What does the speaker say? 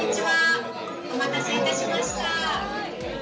お待たせいたしました」。